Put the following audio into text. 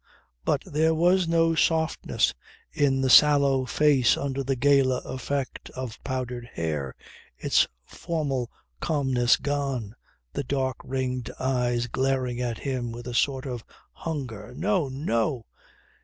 But there was no softness in the sallow face under the gala effect of powdered hair, its formal calmness gone, the dark ringed eyes glaring at him with a sort of hunger. "No! No!